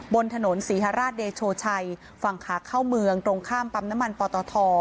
บนถนนศรีฮราชเดโชชัยฝั่งขาเข้าเมืองตรงข้ามปั๊มน้ำมันปตท